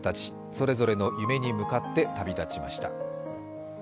それぞれの夢に向かって旅立ちました。